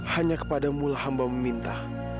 hanya kepada mul hamba meminta